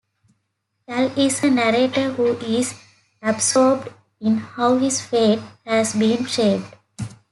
Cal is a narrator who is absorbed in how his fate has been shaped.